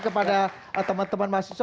kepada teman teman masjid